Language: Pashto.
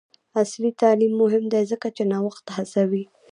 عصري تعلیم مهم دی ځکه چې نوښت هڅوي.